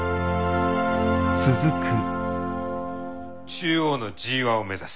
中央のＧⅠを目指す。